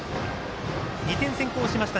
２点先行しました